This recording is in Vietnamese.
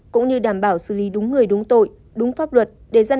cũng như đảm bảo xử lý đúng người đúng tội đúng pháp luật